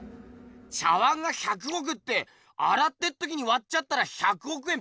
⁉茶碗が１００億ってあらってっときにわっちゃったら１００億円パーだかんな！